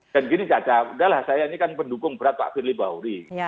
dan gini cacat udah lah saya ini kan pendukung berat pak firly bauri